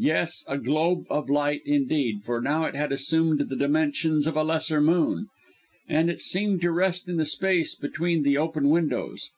Yes, a globe of light indeed for now it had assumed the dimensions of a lesser moon; and it seemed to rest in the space between the open windows.